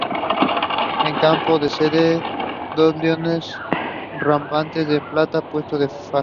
En campo de sable, dos leones rampantes, de plata, puestos en faja.